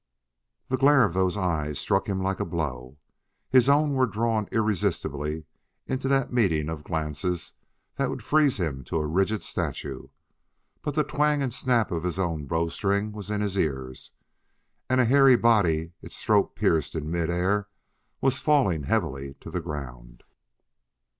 The glare of those eyes struck him like a blow: his own were drawn irresistibly into that meeting of glances that would freeze him to a rigid statue but the twang and snap of his own bowstring was in his ears, and a hairy body, its throat pierced in mid air, was falling heavily to the ground.